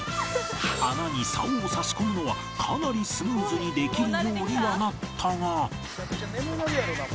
穴に竿を差し込むのはかなりスムーズにできるようにはなったが